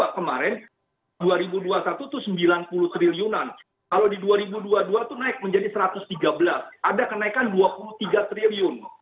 kemarin dua ribu dua puluh satu itu sembilan puluh triliunan kalau di dua ribu dua puluh dua itu naik menjadi rp satu ratus tiga belas ada kenaikan rp dua puluh tiga triliun